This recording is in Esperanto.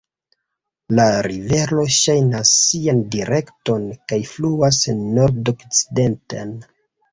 La rivero ŝanĝas sian direkton kaj fluas nordokcidenten.